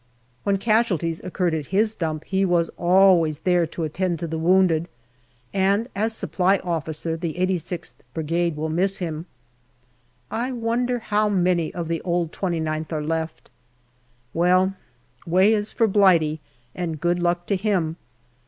When casualties occurred at his dump he was always there to attend to the wounded, and as S.O. the 86th Brigade will miss him. I wonder how many of the old 29th are left. Well, Way is for Blighty, and good luck to him.